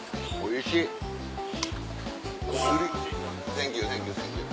サンキューサンキューサンキュー。